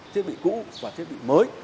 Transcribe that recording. thiết bị cũ và thiết bị mới